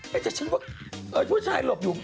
แต่ฉันว่าผู้ชายหลบอยู่